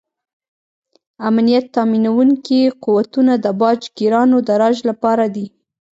امنیت تامینونکي قوتونه د باج ګیرانو د راج لپاره دي.